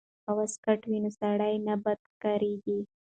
که واسکټ وي نو سړی نه بد ښکاریږي.